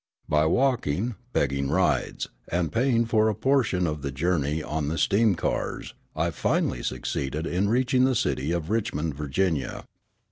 By walking, begging rides, and paying for a portion of the journey on the steam cars, I finally succeeded in reaching the city of Richmond; Virginia.